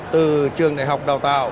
từ trường đại học đào tạo